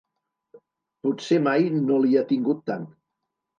Potser mai no l'hi ha tingut tant.